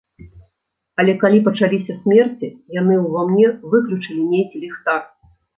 Але калі пачаліся смерці, яны ўва мне выключылі нейкі ліхтар.